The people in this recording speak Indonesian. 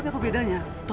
yang dana itu aku